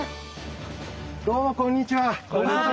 どうもこんにちは。